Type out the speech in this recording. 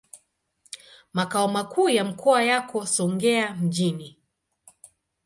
Makao makuu ya mkoa yako Songea mjini.